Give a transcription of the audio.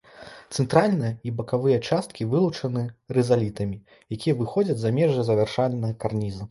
Цэнтральная і бакавыя часткі вылучаны рызалітамі, якія выходзяць за межы завяршальнага карніза.